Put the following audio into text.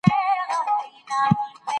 موږ د يوې روغي ټولني په لټه کي يو.